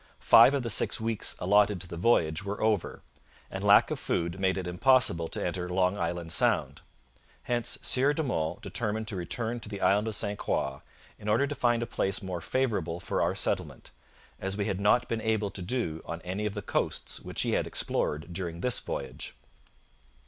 Five of the six weeks allotted to the voyage were over, and lack of food made it impossible to enter Long Island Sound. Hence 'Sieur de Monts determined to return to the Island of St Croix in order to find a place more favourable for our settlement, as we had not been able to do on any of the coasts which he had explored during this voyage.'